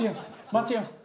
間違いました。